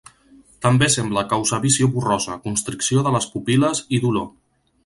També sembla causar visió borrosa, constricció de les pupil·les i dolor.